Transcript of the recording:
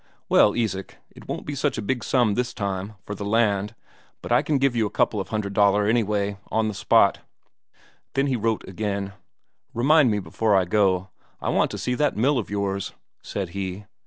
"Well, Isak, it won't be such a big sum this time, for the land, but I can give you a couple of hundred Daler anyway, on the spot." Then he wrote again. "Remind me before I go, I want to see that mill of yours," said he.